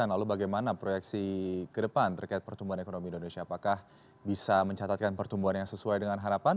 lalu bagaimana proyeksi ke depan terkait pertumbuhan ekonomi indonesia apakah bisa mencatatkan pertumbuhan yang sesuai dengan harapan